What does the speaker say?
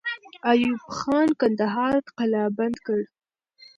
ایوب خان کندهار قلابند کړ.